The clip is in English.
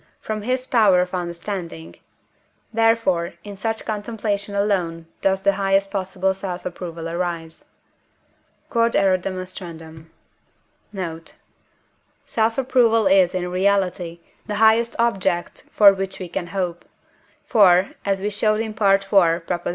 from his power of understanding; therefore in such contemplation alone does the highest possible self approval arise. Q.E.D. Note. Self approval is in reality the highest object for which we can hope. For (as we showed in IV.